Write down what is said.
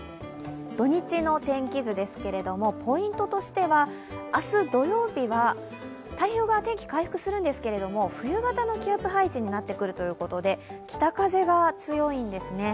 土日の天気図ですが、ポイントとしては明日土曜日は太平洋側、天気回復するんですが、冬型の気圧配置になってくるということで北風が強いんですね。